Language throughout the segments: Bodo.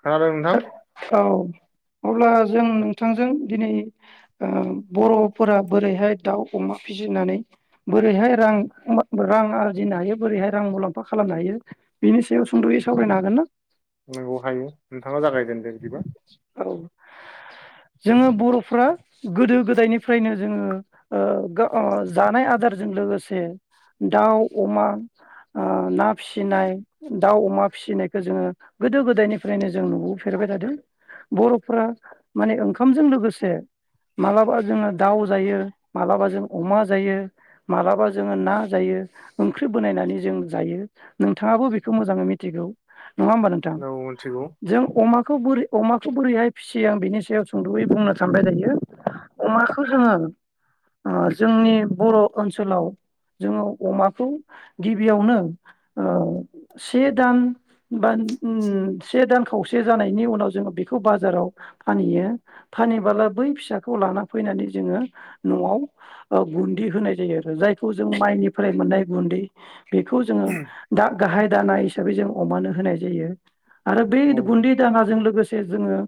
खोनादों नोंथां? औ अब्ला जों नोंथांजों दिनै ओ बर'फोरा बोरैहाय दाउ अमा फिसिनानै बोरैहाय रां रां आरजिनो हायो बोरैहाय रां मुलाम्फा खालामनो हायो बिनि सायाव सुंद'यै सावरायनो हागोन ना? नंगौ हायो। नोंथाङा जागायजेनदो बिदिबा। औ जोङो बर'फ्रा गोदो गोदायनिफ्रायनो जोङो ओ [unintelligible] जानाय आदार जों लोगोसे दाउ, अमा आ ना फिसिनाय दाउ अमा फिसिनायखो जोङो गोदो गोदायनिफ्रायनो जों नुबोफेरबाय थादों। बर' फोरा माने ओंखामजों लोगोसे मालाबा जों दाउ जायो, मालाबा जों अमा जायो, मालाबा जों ना जायो, ओंख्रि बोनायनानै जों जायो नोंथाङाबो बिखौ मोजाङै मिथिगौ। नङा ओमबा? औ मिथिगौ जों अमाखौ बोरै अमा खौ बोरैहाय फिसियो आं बिनि सायाव सुंद'यै बुंनो सानबाय दायो। अमाखौ जोङो ओ जोंनि बर' ओनसोलाव जोङो अमाखौ गिबियावनो ओ से दान बा उम से दान खावसे जानायनि उनाव जोङो बेखौ बाजाराव फानहैयो। फानहैबाला बै फिसाखौ लाना फैनानै जोङो न'आव ओ गुन्दि होनाय जायो आरो जायखौ जों माइनिफ्राय मोननाय गुन्दै बेखौ जोङो दा गाहाय दाना हिसाबै जों अमानो होनाय जायो। आरो बै गुन्दै नंगौ दानाजों लोगो जे जोङो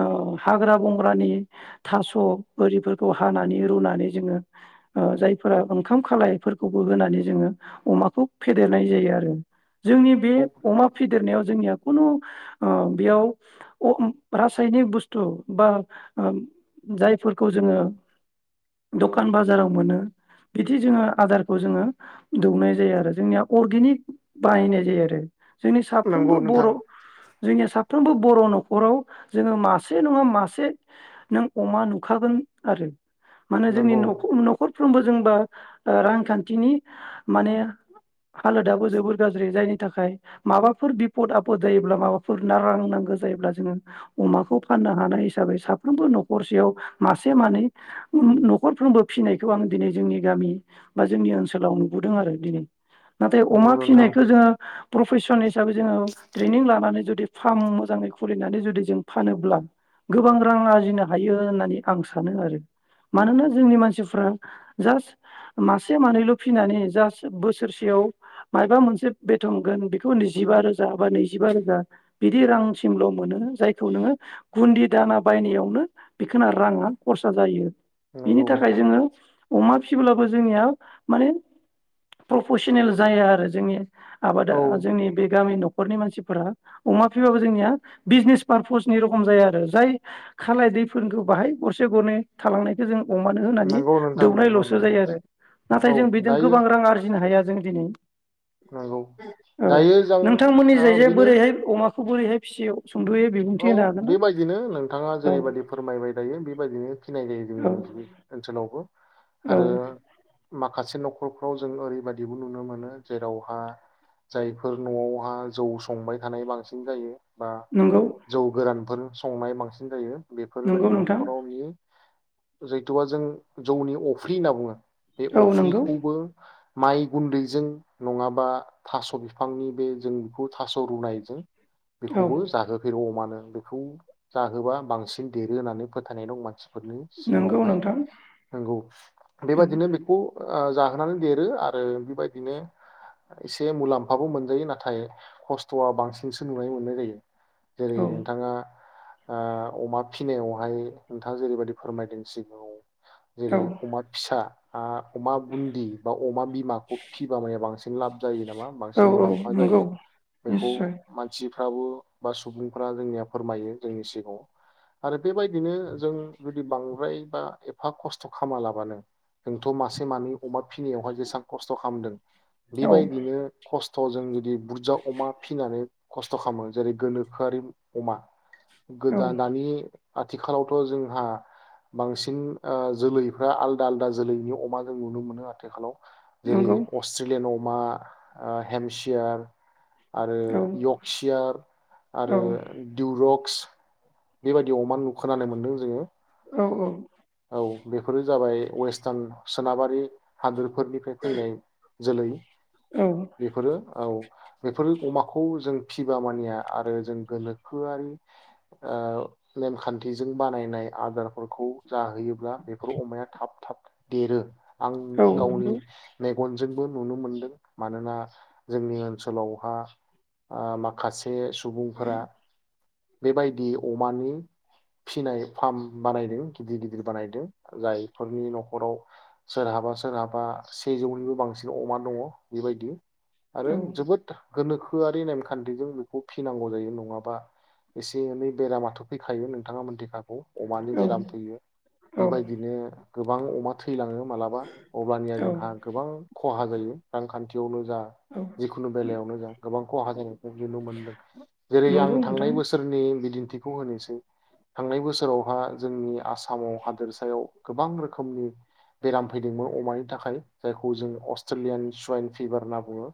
ओ हाग्रा बंग्रानि थास' बोरिफोरखौ हानानै रुनानै जोङो ओ जायफोरा ओंखाम खालायफोरखौबो होनानै जोङो अमाखौ फेदेरनाय जायो आरो जोंनि बे अमा फेदेरनायाव जोंनिया ओ बेयाव अम रासायनिक बुस्थु बा ओम जायफोरखौ जोङो दखान बाजाराव मोनो बिदि जोङो आदारखौ जोङो दौनाय जायो आरो जोंनिया अर्गेनिक बाहायनाय जायो आरो जोंनि नंगौ साफ्रोमबो नोंथां बर' जोंनिया साफ्रोमबो बर' न'खराव जोङो मासे नङा मासे नों अमा नुखागोन आरो माने जोंनि नंगौ न'ख न'खर फ्रोमबो जों बा आ रांखान्थिनि माने हालोदाबो जोबोर गाज्रि जायनि थाखाय माबाफोर बिफद आ फद जायोब्ला माबाफोर नाआं नांगो जायोब्ला जोङो अमाखौ फाननो हानाय हिसाबै साफ्रोमबो न'खरसेयाव मासे मानै उम न'खरफ्रोमबो फिसिनायखौ आं दिनै जोंनि गामि बा जोंनि ओनसोलाव नुबोदों आरो दिनै। नाथाय नंगौ अमा नोंथां फिसिनायखौ जोङो प्रफेसन हि साबै जोंङो ट्रेनिं लानानै जुदि फार्म मोजाङै खुलिनानै जुदि जों फानोब्ला गोबां रां आरजिनो हायो होननानै आं सानो आरो। मानोना जोंनि मानसिफ्रा जास्ट मासे मानैल' फिनानै जास्ट बोसोरसेयाव मायाबा मोनसे बेथनगोन बेखौ नैजिबा रोजा बा नै जिबा रोजा बिदि रांसिमल' मोनो। जायखौ नोङो गुन्दि दाना बायनायावनो बिखिना राङा खरसा जायो। बिनि नंगौ थाखाय जोङो अमा फिसिब्लाबो जोंनिया माने प्रफेसनेल जाया आरो जोंनिया। आबादा औ जोंनि बे गामि न' खरनि मोनसि फोरा अमा फिबाबो जोंनिया बिजनेस पारपसनि रखम जाया आरो जाय खालाय दैफोरखौ बाहाय गरसे गरनै थालांनायखौ जों अमानो होनानै नंगौ नोंथां नंगौ दौनायल'सो नंगौ जायो आरो नाथाय औ जों बेजों दायो गोबां रां आरजिनो हाया जों दिनै नंगौ औ दायो जों नोंथांमोननि आ जाय जे बेनो बोरैहाय अमा खौ बोरैहाय फिसियो। सुंद'यै बिबुंथि औ होनो हागोन ना बेबायदिनो नोंथाङा औ जेरैबायदि फोरमायबाय थायो बेबायदिनो। फिनाय जायो जोंनि औ बे ओनसोलावबो। औ आरो मा खासे न'खरफ्राव जों ओरैबायदिबो नुनो मोनो जेरावहा जायफोर न'आवहा जौ संबाय थानाय बांसिन जायो। बा नोंगौ। जौ गोरानफोर संनाय बांसिन जायो। बेफोर बायदि नंगौ नोंथां न'खराव नुयो। जैथुबा जों जौनि अफ्रि होनना बुङो। बे औ नंगौ अफ्रिखौबो माइ गुन्दैजों नङाबा थास' बिफांनि बे जों बेखौ थास' रुनायजों। औ बेखौबो जाहो। औअमानो बेखौ जाहोबा बांसिन देरो होननानै फोथायनाय दं मानसि। फोरनो नंगौ सिगाङावहाय नोंथां नंगौ औ बेबादिनो बेखौ ओ जाहोनानै देरो आरो बेबायदिनो एसे मुलाम्फाबो मोनजायो नाथाय खस्थ'आ बांसिनसो नुनानै मोननाय जायो। जेरै औ नोंथाङा ओ अमा फिसिनायावहाय नोंथाङा जेरैबायदि फोरमायदों सिगाङाव। जेरै औ अमा फिसा आ अमा बुन्दि बा अमा बिमाखौ फिबा माया बांसिन लाब जायो नामा औ बांसिन मुलाम्फा नंगौ जायो बेखौ निस्सय मानसि थाबो बा सु सुबुंफ्रा जोंनिया फोरमायो जोंनि सिगाङाव आरो बेबायदिनो जों जुदि बांद्राय बा एफा खस्थ' खालामालाबानो जोंथ' मासे मानै अमा फिसिनायावहाय जेसेबां खस्थ' खालामदों औ बेबायदिनो खस थ' जों जुदि बुरजा अमा फिनानै खस्थ' खालामो जेरै गोनो खोआरि अमा औ गोदान दानि आथिखालावथ' जोंहा बांसिन ओ जोलैफ्रा आलदा आलदा जोलैनि अमा जों नुनो मोनो आथिखालाव जेरै नंगौ अस्ट्रेलियान अ मा हेमसियार आरो औ यक्सियार आरो औ दियु अक्स बेबायदि अमा नुखोनानै मोनदों जोङो औ औ औ बेफोरो जाबाय वेस्टार्न सोनाबारि हादर फोरनिफ्राय फैनाय जोलै बेफोरो औ बे बेफोरो अमाखौ जों फिबा मानिया आरो जों गलोखोआरि ओ नेमखान्थिजों बानायनाय आदारफोरखौ जाहैयोब्ला बेफोर अमाया थाब थाब देरो आं औ गावनि मे गनजोंबो नुनो मोनदों मानोना जोंनि ओनसोलावहा ओ माखासे से सुबुंफोरा बेबायदि अमानि फिनाय फार्म बानायदों गिदिर गिदिर बानायदों जायफोरनि न'खराव सोरहाबा सोरहाबा सेजौनिबो बांसिन अमा दङ बिबायदि आरो जोबोद गोनोखोआरि नेमखान्थिजों बेखौ फिनांगौ जायो नङाबा एसे एनै बेरामाथ' फैखायो नोंथाङा मोनथिखागौ अमानि बेराम नंगौ थैयो औ बेबायदिनो गोबां अमा थैलाङो मालाबा अब्लानिया औ जोंहा गोबां खहा जायो रांखानथि बेयावनो जा औ जिखुनु बेलायावनो जा गोबां खहा जादों नुनो मोनदों जेरै आं नंगौ थांनाय नोंथां बोसोरनि बिदिन्थिखौ खौ होनोसै थांनाय बोसोरावहा जोंनि आसामावहा दोरसायाव गोबां रोखोमनि बेराम फैदोंमोन अमानि थाखाय जायखौ जों अस्ट्रेलियान सुवाइन फिभार होनना बुङो।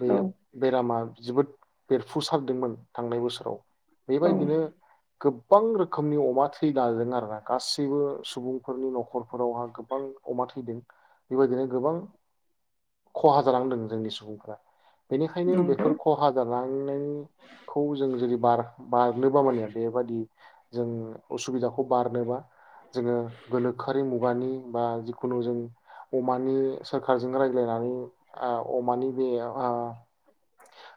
बे औ बेरामा जोबोद बेरफुसारदोंमोन थांनाय बोसोराव औ बेबायदिनो गोबां रोखोमनि अमा थै लादों आरोना गासैबो सुबुंफोरनि न'खरफोरावहा गोबां अमा थैदों बेबायदिनो गोबां खहा जानांदों जोंनि सुबुं फोरा बेनिखायनो नंगौ बेफोर खहा जालांनायनिखौ जों जुदि बारा बारनो माने बेबादि जों उसुबिदाखौ बारनोबा जोङो गोनोखोआरि मुगानि बा खुनु जों अमानि सोरखारजों रायज्लायनानै ओ अमानि बे ओ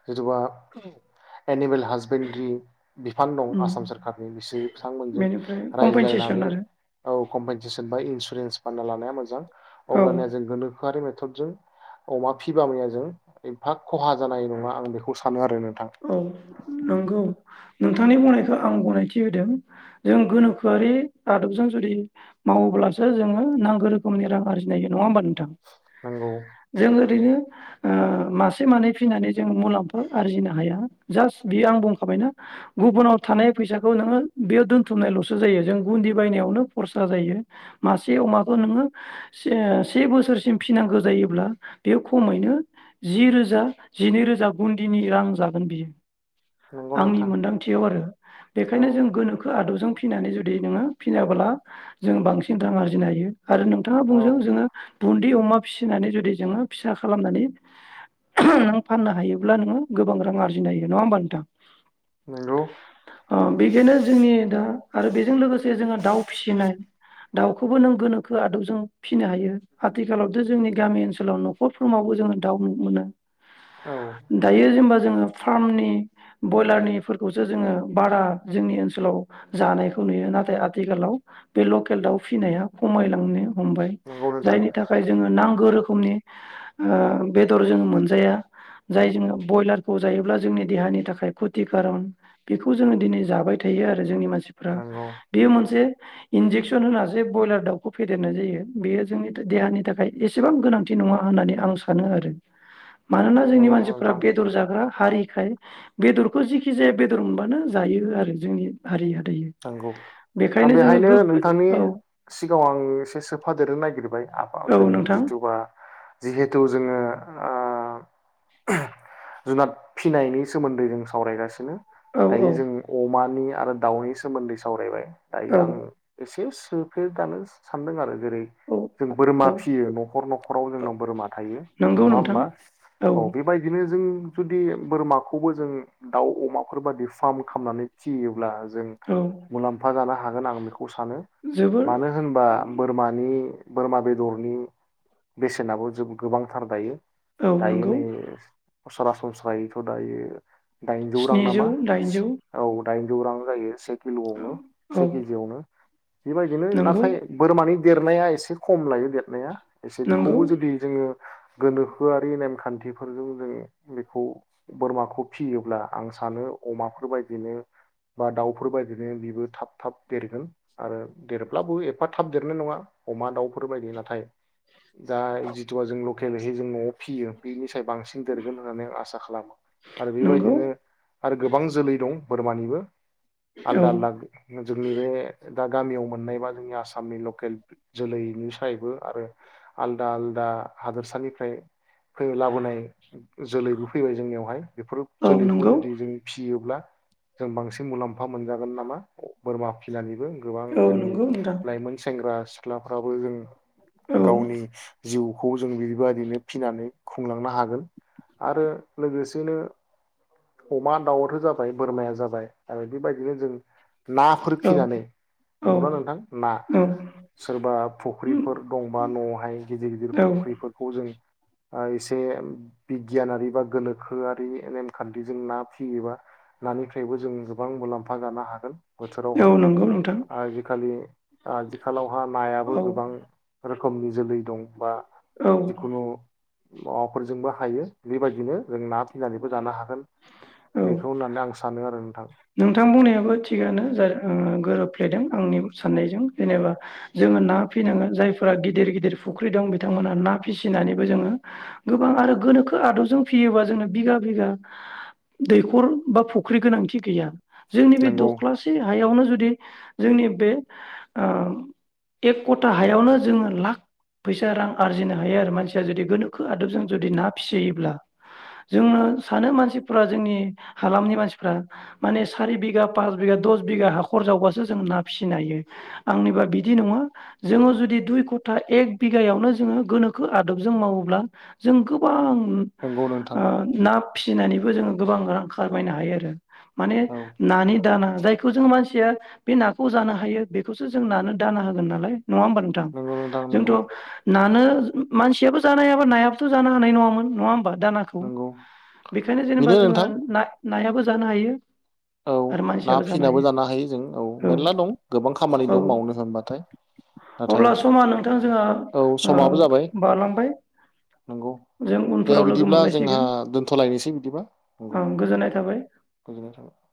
जेरेबा एनिमेल हासबेन्ड्रि बिफान दं उम आसाम सोरखारनि बिसोर बिथांमोनजों बेनिफ्राय कम्पेनसेसन रायज्लायनानै आरो औ। कमपेनसेसन बा इन्सुरेन्स बानायना लानाया मोजां औ अब्लानिया जों गोनोखोआरि मे थद जों अमा फिबा जों एफा खहा जानाय नङा आं बेखौ सानो आरो नों औ नंगौ नोंथांनि बुंनायखौ आं गनायथि होदों जों गोनोखोआरि आदबजों जुदि मावोब्लासो जोङो नांगौ रोखोमनि रां आरजिनायो नङा होमबा नोंथां। नंगौ जों ओरैनो ओ मासे मानै फिनानै जोंङो मुलाम्फा आरजिनानै हाया जास बेयो आं बुंखाबायना गुबुनाव थानाय फैसाखौ नोङो बेयाव दोनथुमनायल'सो जायो जों गुन्दि बायनायावनो खरसा जायो मासे अमाखौ नोङो से से बोसोरसिम फिसिनांगौ जायोब्ला बेयो खमैनो जि रोजा जिनै रोजा गुन्दिनि रां जागोन बियो नंगौ आंनि नोंथां मोनदांथियाव आरो औ बेनिखायनो जों गोनोखो आदबजों फिनानै जुदि नोङो फिनाब्ला जों बांसिन रां आरजिनो हायो आरो नोंथाङा औ बुंजों जोङो बुन्दि अमा फिसिनानै जुदि जोङो फिसा खालामनानै फाननो हायोब्ला नोङो गोबां रां आरजिनो हायो नङा होमबा नोंथां। नंगौ ओ बेखायनो जोंनि दा आरो बेजों लोगोसे जोङो दाउ फिसिनाय दाउखौबो नों गोनोखो आदबजों फिसिनो हायो आथिखालावथ' जोंनि गामि ओनसोलाव न'खरफ्रोमावबो जोङो दाउ मोनो औ दायो जेनेबा जोङो फार्मनि ब्रयलारनिफोरखौसो जोङो बारा जोंनि ओनसोलाव जानायखौ नुयो नाथाय आथिखालाव बे लकेल दाउ फिसिनाया खमायलांनो हमबाय नंगौ नोंथां जायनि थाखाय जोङो नांगौ रोखोम खमनि ओ बेदर जों मोनजाया जाय जों बयलार खौ जायोब्ला जोंनि देहानि थाखाय खति खारन बेखौ जोङो दिनै जाबाय थायो आरो जोंनि मानसि मानसिफ्रा नंगौ बेयो मोनसे इन्जेकसन होन जो ब्रयलार दाउखौ फेदेरनाय जायो बेयो जोंनि देहानि थाखाय एसेबां गोनांथि नङा होननानै आं सानो आरो मानोना जोंनि नंगौ मानसिफोरा नोंथां बेदर जाग हारिखाय बेदरखौ जखि जाया बेदर मोनबानो जायो आरो जोंनि हारिया नंगौबो आं बेहायनो नोंथांनि औ सिगाङाव आं एसे सोफादेरनो नागिरबाय आब औ जों नोंथां जिथुबा जिहेथु जोङो आ जुनाद फिनायनि सोमोन्दै जों सावरायगासिनो। औ औ दायो जों अमानि आरो दाउनि सोमोन्दै सावरायबाय दायो औ आं एसेउस सफेर दानो सानदों आरो [unintelligible] जेरै औ जों बोरमा औ फिसियो न'खर न'खराव जोंनाव बोरमा थायो नङा नंगौ नोंथां होमबा औ बेबायदिनो जों जुदि बोरमाखौबो जों दाउ अमाफोर बादि फार्म खालामनानै फियोब्ला जों औ मुलाम्फा जानो हागोन आं बेखौ सानो जोबोर मानो होनबा बोरमानि बोरमा बेदरनि बेसेनाबो जों गोबांथार दायो औ नंगौ थायोनो [unintelligible] सारासनस्रायैथ दायो [inaudible] दाइनजौ रां स्निजौ नामा दाइनजौ औ [unintelligible] दाइनजौ रां जायो [inaudible] किल'आवनो औ से केजियावनो बेबायदिनो नंगौ नाथाय बोरमानि देरनाया एसे खम लायो देरनाया एसे नंगौ बेखौबो जुदि जोङो गोनोखोआरि नेमखान्थिफोरजों जों बेखौ बोरमाखौ फियोब्ला आं सानो अमाफोर बदिनो बा दाउ [inaudible] बेफोरबादिनो बेबो थाब थाब देरगोन आरो देरब्लाबो एफा थाब देरनाय नङा अमा दाउफोर बाय नाथाय दा जेथु लकेलयै न'वाव फिसियो बिनि साय बांसिन देरगोन होननानै आं आसा खालामो आरो नंगौ बेबायदिनो आरो गोबां जोलै दं [unintelligible] बोरमानिबो औ आलदा आलदा जोंनि बे [unintelligible] दा गामियाव मोननायबा जोंनि आसामनि लकेल जोलैनिफ्रायबो आरो आलदा आलदा हादोरसानिफ्राय लाबोनाय जोलैबो फैबाय जोंनियावहाय बेफोर औ जोलैखौ नंगौ जुदि जों फ [inaudible] फियोब्ला जों बांसिन मुलाम्फा [unintelligible] मफा मोनजागोन नामा [unintelligible] बोरमा फिसिनानैबो गोबां औ जोंनि नंगौ नोंथां लाइमोन सेंग्रा [inaudible] सिख्लाफ्राबो जों औ गावनि जिउ खौ जों बेबायदिनो फिसिनानै खुंलांनो हागोन आरो लोगोसेनो अमा दाउआथ' जाबाय बोरमाया जाबाय आरो बेबायदिनो जों नाफोर औ फिनानै औ नंगौना नोंथां ना औ सोरबा फुख्रिफोर दंबा न'आवहाय गिदिर गिदिर फुख्रिफोरखौ जों एसे बिगियानारि बा गोनोखोआरि नेमखान्थि जों ना फियोबा नानिफ्रायबो जों गोबां मुलाम्फा जानो हागोन बोथोरावहा औ नंगौ नोंथां आजिखालि आथिखालावहा नायाबो औ गोबां रोखोमनि जोलै दं बा औ जिखुनु माबाफोरजोंबो हायो बेबायदिनो जों ना फिसिनानैबो जानो हागोन औ बेखौ होननानै आं सानो आरो नोंथां नोंथां बुंनायाबो थिगानो जाय ओ गोरोब थाय दों आंनि साननायजों जेनेबा जोङो ना फिनांगोन जायफोरा गिदिर गिदिर फुख्रि दं बिथांमोनहा ना फिसिनानैबो जोङो गोबां आरो गोनोखो आदबजों फियोबा जोंनो बिघा बिगा दैखर बा फुख्रि गोनांथि गैया। जोंनि बे नंगौ दख्लासे हायावनो जुद दि जोंनि बे ओ एक कथा हायावनो जोङो लाख फैसा रां आरजिनो हायो आरो। मानसिया जुदि गोनोखो आदबजों जुदि ना फिसियोब्ला जोंनो सानो मानसि फोरा जोंनि हालामनि मानसिफ्रा माने सारि बिगा पास बिगा दस बिगा हाखर जावबासो जों ना फिसिनो हायो। आंनिबा बिदि नङा जोङो जुदि दुइ खथा एक बिगायावनो जोङो गोनोखो आदबजों मावोब्ला जों गोबां उम नंगौ नोंथां ओ ना फिसिनानै बो जोङो गोबां रां खारमायनो हायो आरो। माने औ नानि दाना जायखौ जों मानसिया बे नाखौ जानो हायो। बेखौसो जों नानो दाना होगोन नालाय। नङा होमबा नोंथां? नंगौ नोंथां जोंथ' नंगौ नानो मानसियाबो जानो हायाबा नायाबोथ' जानो हानाय नङामोन नङा होमबा? दानाखौ नंगौ बे खायनो जेनेबा बेनो जोङो नोंथां ना नायाबो जानो हायो। औ ना फिनाबो जानो हायो। जों औ मेरला दं गोबां खामानि औ दं मावनो होनबाथाय। नाथाय अब्ला समा नोंथां जोंहा औ ओ समाबो जाबाय बारलांबाय नंगौ जों दे उनफोराव लोगो बिदिब्ला जोंहा मोनलायसिगोन दोनथ'लायनोसै दिबा नंगौ ओं गोजोननाय थाबाय गोजोननाय थाबाय।